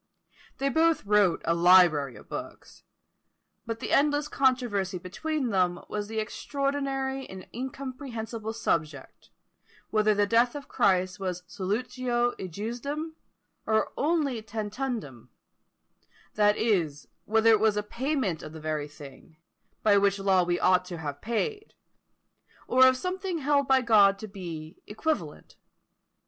They both wrote a library of books; but the endless controversy between them was the extraordinary and incomprehensible subject, whether the death of Christ was solutio ejusdem, or only tantundem; that is, whether it was a payment of the very thing, which by law we ought to have paid, or of something held by God to be equivalent.